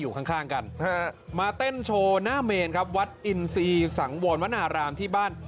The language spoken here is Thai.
อยู่ข้างกันมาเต้นโชว์หน้าเมนครับวัดอินซีสังวรวนารามที่บ้าน